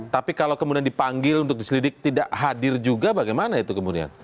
tapi kalau kemudian dipanggil untuk diselidik tidak hadir juga bagaimana itu kemudian